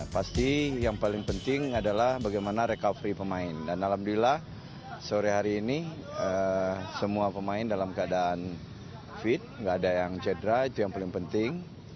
pasti yang paling penting adalah bagaimana recovery pemain dan alhamdulillah sore hari ini semua pemain dalam keadaan fit gak ada yang cedera itu yang paling penting